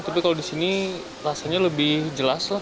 tapi kalau di sini rasanya lebih jelas lah